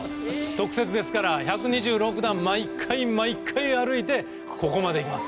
特設ですから、１２６段を毎回歩いてここまで行きます。